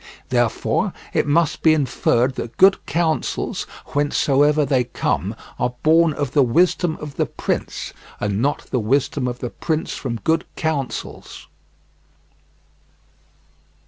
Therefore it must be inferred that good counsels, whencesoever they come, are born of the wisdom of the prince, and not the wisdom of the prince from good counsels.